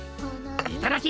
いただき！